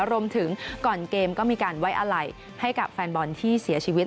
รวมถึงก่อนเกมก็มีการไว้อะไรให้กับแฟนบอลที่เสียชีวิต